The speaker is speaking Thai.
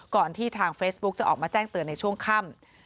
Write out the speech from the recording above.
ก่อนที่ทางเฟซบุ๊กจะออกมาแจ้งเตือนในช่วงค่ำ